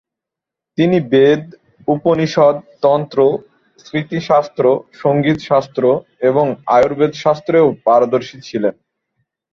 তিনি বেদ, উপনিষদ, তন্ত্র, স্মৃতিশাস্ত্র, সঙ্গীতশাস্ত্র এবং আয়ুর্বেদশাস্ত্রেও পারদর্শী ছিলেন।